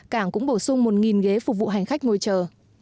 cảng cũng bổ sung một ghế phục vụ hành khách ngồi chờ